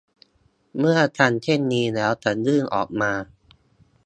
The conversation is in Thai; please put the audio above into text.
เมื่อทำเช่นนี้แล้วจะยื่นออกมา